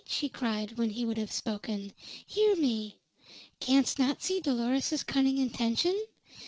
she cried, when he would have spoken, "hear me. Canst not see Dolores's cunning intention?